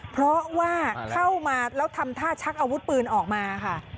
เพราะว่าเข้ามาแล้วทำท่าชักอาวุธปืนออกมาค่ะ